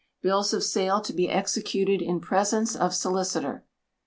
Bills of Sale to be Executed in presence of Solicitor.